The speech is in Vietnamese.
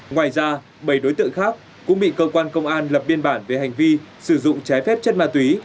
ngoài ra bảy đối tượng khác cũng bị cơ quan công an lập biên bản về hành vi sử dụng trái phép chất ma túy